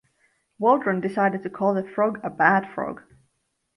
Wauldron decided to call the frog a bad frog.